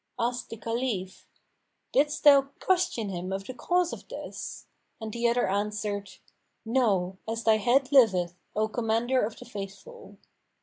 Asked the Caliph, "Didst thou question him of the cause of this?"; and the other answered, "No, as thy head liveth, O Commander of the Faithful."